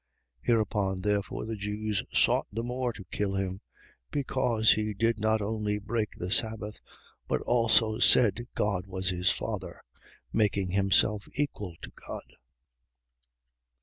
5:18. Hereupon therefore the Jews sought the more to kill him, because he did not only break the sabbath but also said God was his Father, making himself equal to God.